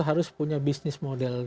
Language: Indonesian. harus punya bisnis model